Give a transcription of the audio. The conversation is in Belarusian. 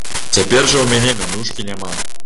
Цяпер жа ў мяне мянушкі няма.